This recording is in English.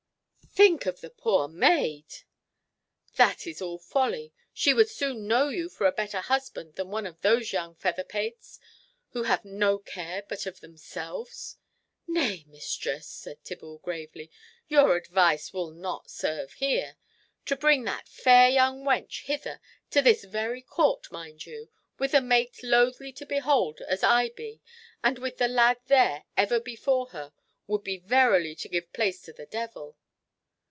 Think of the poor maid!" "That is all folly! She would soon know you for a better husband than one of those young feather pates, who have no care but of themselves." "Nay, mistress," said Tibble, gravely, "your advice will not serve here. To bring that fair young wench hither, to this very court, mind you, with a mate loathly to behold as I be, and with the lad there ever before her, would be verily to give place to the devil."